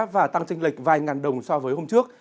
và tăng tranh lệch vài ngàn đồng so với hôm trước